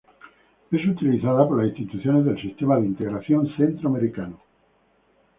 Es utilizada por las instituciones del Sistema de Integración Centroamericano.